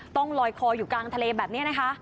ต้องลอยคออยู่กลางทะเลแบบนี้นะคะ